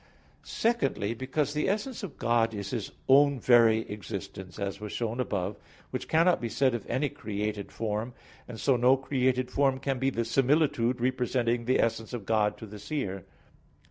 Secondly, because the essence of God is His own very existence, as was shown above (Q. 3, A. 4), which cannot be said of any created form; and so no created form can be the similitude representing the essence of God to the seer.